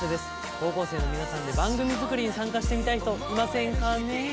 高校生の皆さんで番組作りに参加してみたい人いませんかねえ？